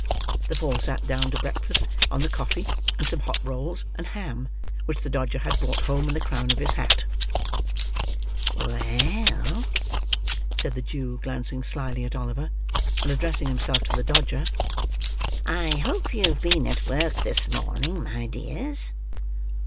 The four sat down, to breakfast, on the coffee, and some hot rolls and ham which the Dodger had brought home in the crown of his hat. "Well," said the Jew, glancing slyly at Oliver, and addressing himself to the Dodger, "I hope you've been at work this morning, my dears?"